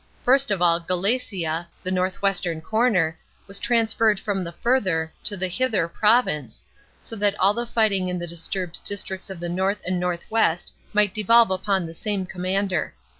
First of all, Gallaecia, the north western corner, was transferred from the Further to the Hither province, so that all the fighting in the disturbed districts of the north and north west might devolve upon the same commander.